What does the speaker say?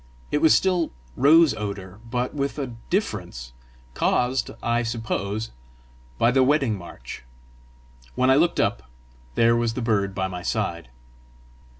It was still rose odour, but with a difference, caused, I suppose, by the Wedding March. When I looked up, there was the bird by my side.